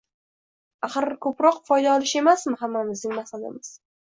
axir, ko‘proq foyda olish emasmi hammamizning maqsadimiz?